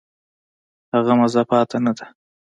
هغه مزه پاتې نه ده.